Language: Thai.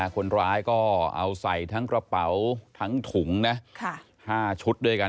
คนร้ายก็เอาใส่ทั้งกระเป๋าทั้งถุงนะ๕ชุดด้วยกัน